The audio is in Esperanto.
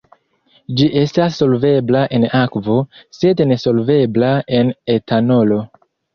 Ĝi estas solvebla en akvo, sed nesolvebla en etanolo.